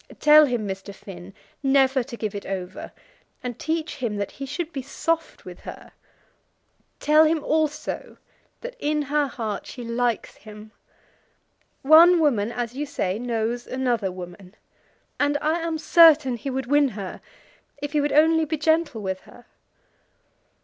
Tell him, Mr. Finn, never to give it over; and teach him that he should be soft with her. Tell him, also, that in her heart she likes him. One woman, as you say, knows another woman; and I am certain he would win her if he would only be gentle with her."